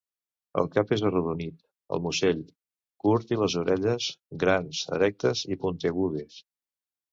El cap és arrodonit, el musell, curt i les orelles, grans, erectes i puntegudes.